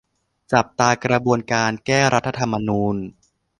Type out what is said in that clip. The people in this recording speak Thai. จับตากระบวนการ แก้รัฐธรรมนูญ